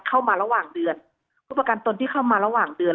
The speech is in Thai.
เข้ามาระหว่างเดือนผู้ประกันตนที่เข้ามาระหว่างเดือน